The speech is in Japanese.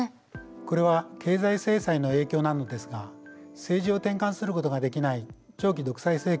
これは経済制裁の影響なのですが政治を転換することができない長期独裁政権の弊害でもありました。